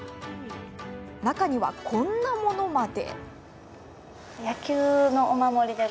中には、こんなものまで。